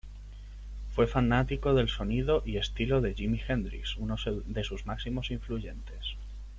Fue fanático del sonido y estilo de Jimi Hendrix, uno de sus máximos influyentes.